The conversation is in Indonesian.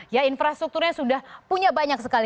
ya infrastrukturnya sudah punya banyak sekali